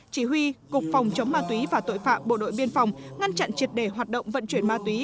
chỉ huy cục phòng chống ma túy và tội phạm bộ đội biên phòng ngăn chặn triệt để hoạt động vận chuyển ma túy